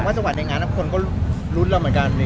ก็มีความฝันในงานคนรู้แบบเราเหมือนกัน